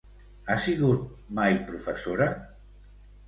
Ha sigut mai professora?